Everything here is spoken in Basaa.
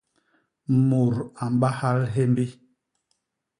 Mut a mbahal hyémbi.